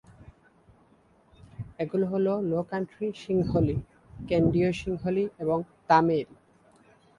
এগুলো হলো: low country সিংহলী, ক্যান্ডিয় সিংহলী এবং তামিল।